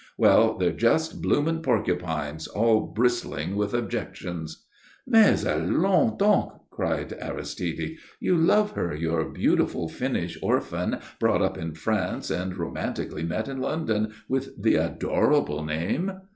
Well, they're just blooming porcupines, all bristling with objections." "Mais, allons, donc!" cried Aristide. "You love her, your beautiful Finnish orphan brought up in France and romantically met in London, with the adorable name?"